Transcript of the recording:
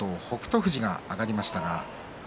富士が土俵に上がりました。